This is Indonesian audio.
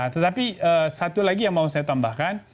tetapi satu lagi yang mau saya tambahkan